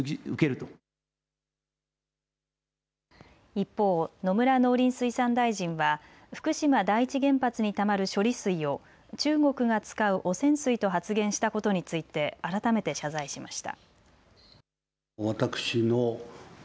一方、野村農林水産大臣は福島第一原発にたまる処理水を中国が使う汚染水と発言したことについて改めて謝罪しました。